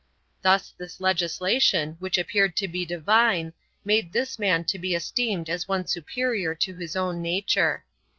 Thus this legislation, which appeared to be divine, made this man to be esteemed as one superior to his own nature.